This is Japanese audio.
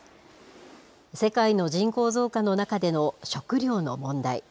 世界の人口増加の中での食料の問題。